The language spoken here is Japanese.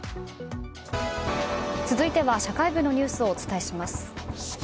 続いては、社会部のニュースをお伝えします。